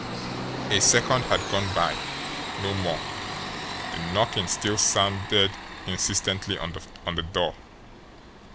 A second had gone by no more the knocking still sounded insistently on the door.